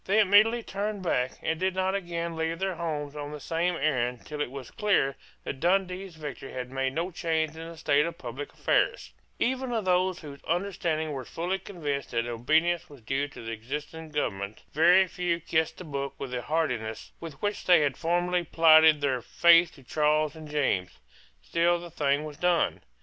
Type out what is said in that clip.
They immediately turned back, and did not again leave their homes on the same errand till it was clear that Dundee's victory had made no change in the state of public affairs, Even of those whose understandings were fully convinced that obedience was due to the existing government, very few kissed the book with the heartiness with which they had formerly plighted their faith to Charles and James. Still the thing was done.